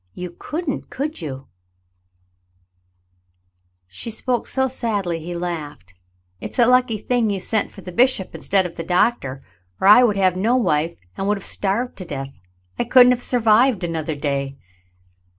You couldn't, could you .^" She spoke so sadly, he laughed. "It's a lucky thing you sent for the bishop instead of the doctor, or I would have had no wife and would have starved to death. I couldn't have survived another dav."